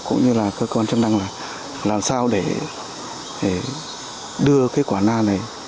cũng như là cơ quan chức năng là làm sao để đưa cái quả na này